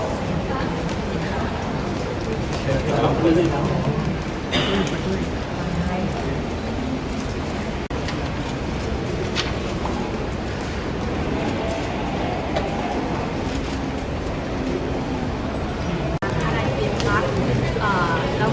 สวัสดีครับ